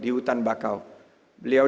di hutan bakau beliau